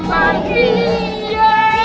tunggu tunggu tunggu